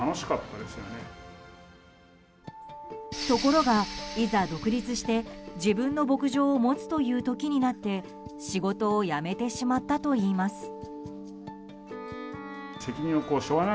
ところが、いざ独立して自分の牧場を持つという時になって仕事を辞めてしまったといいます。